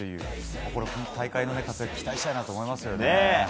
この大会の中でも期待したいと思いますね。